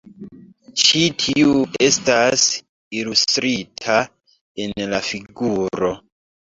Ĉi tiu estas ilustrita en la figuro.